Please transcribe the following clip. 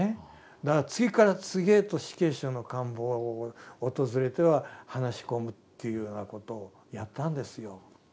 だから次から次へと死刑囚の監房を訪れては話し込むというようなことをやったんですよ。